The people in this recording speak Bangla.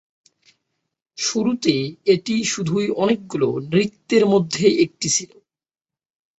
শুরুতে এটি শুধুই অনেকগুলো নৃত্যের মধ্য একটি ছিল।